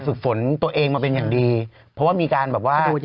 ซึบหันไปสอยเลย